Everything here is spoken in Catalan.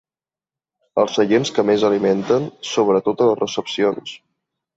Els seients que més alimenten, sobretot a les recepcions.